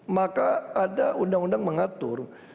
maka ada undang undang mengatur